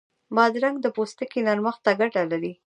بادرنګ د پوستکي نرمښت ته ګټه لري.